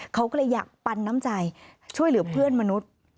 เขาก็เลยอยากปันน้ำใจช่วยเหลือเพื่อนมนุษย์